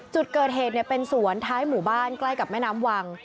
จุดเกิดเหตุเป็นสวนท้ายหมู่บ้านใกล้กับแม่น้ำวัง